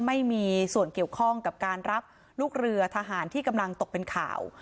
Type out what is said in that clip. ไม่มีส่วนเกี่ยวข้องกับการรับลูกเรือทหารที่กำลังตกเป็นข่าว